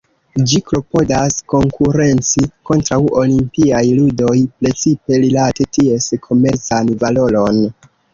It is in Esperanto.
Ĝi klopodas konkurenci kontraŭ Olimpiaj Ludoj, precipe rilate ties komercan valoron.